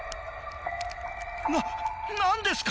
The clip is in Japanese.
な何ですか！？